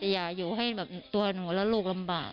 อย่าอยู่ให้แบบตัวหนูและลูกลำบาก